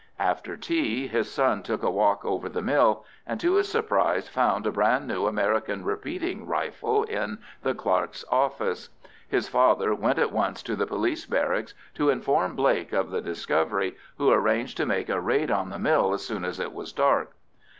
After tea his son took a walk over the mill, and to his surprise found a brand new American repeating rifle in the clerk's office: his father went at once to the police barracks to inform Blake of the discovery, who arranged to make a raid on the mill as soon as it was dark.